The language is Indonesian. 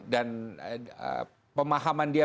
dan pemahaman dia